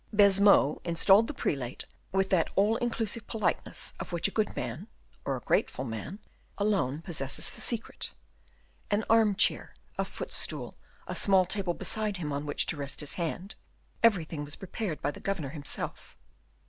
Baisemeaux installed the prelate with that all inclusive politeness of which a good man, or a grateful man, alone possesses the secret. An arm chair, a footstool, a small table beside him, on which to rest his hand, everything was prepared by the governor himself.